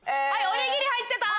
おにぎり入ってた！